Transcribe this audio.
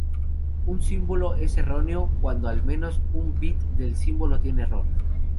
Un "símbolo es erróneo" cuando al menos un bit del símbolo tiene error.